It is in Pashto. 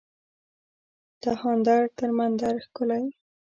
دهاندر تر مندر ښکلی